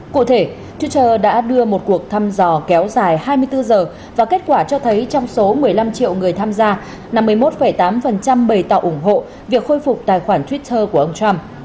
cụ thể twitter đã đưa một cuộc thăm dò kéo dài hai mươi bốn giờ và kết quả cho thấy trong số một mươi năm triệu người tham gia năm mươi một tám bày tỏ ủng hộ việc khôi phục tài khoản twitter của ông trump